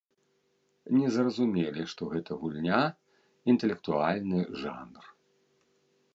Не зразумелі, што гэта гульня, інтэлектуальны жанр.